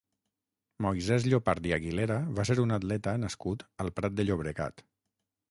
Moisès Llopart i Aguilera va ser un atleta nascut al Prat de Llobregat.